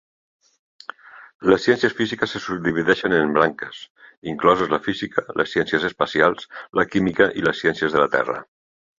Les ciències físiques se subdivideixen en branques, incloses la física, les ciències espacials, la química i les ciències de la terra.